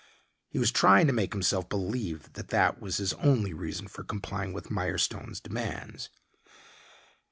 He was trying to make himself believe that that was his only reason for complying with Mirestone's demands.